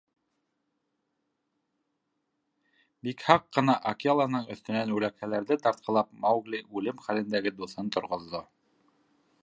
Бик һаҡ ҡына Акеланың өҫтөнән үләкһәләрҙе тартҡылап, Маугли үлем хәлендәге дуҫын торғоҙҙо.